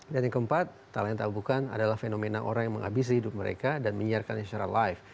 dan yang keempat tak lain tak bukan adalah fenomena orang yang menghabis hidup mereka dan menyiarkan secara lain